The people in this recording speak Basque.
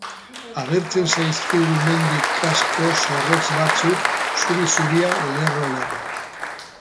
Agertzen zaizkigu mendi-kasko zorrotz batzuk, zuri-zuria, lerro-lerro.